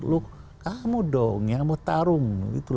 lo kamu dong yang bertarung